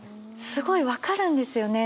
すごい分かるんですよね